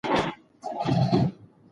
زما ورور د موبایلونو ترمیم زده کوي.